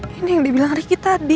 ini yang dibilang ricky tadi